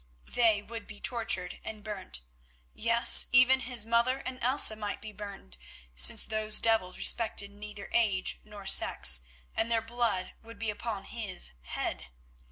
They would be tortured and burnt. Yes, even his mother and Elsa might be burned, since those devils respected neither age nor sex, and their blood would be upon his head.